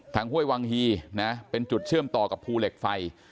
ห้วยวังฮีนะเป็นจุดเชื่อมต่อกับภูเหล็กไฟ